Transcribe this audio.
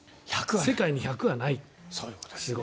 世界に１００はないと。